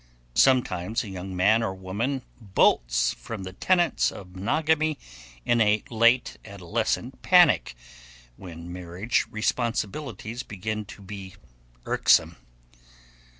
Sometimes a young man or woman bolts from the tenets of monogamy in a late adolescent panic when marriage responsibilities begin to be irksome.